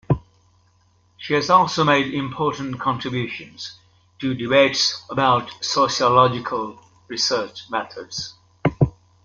She has also made important contributions to debates about sociological research methods.